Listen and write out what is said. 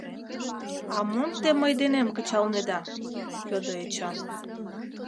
— А мом те мый денем кычалнеда? — йодо Эчан.